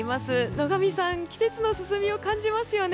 野上さん季節の進みを感じますよね。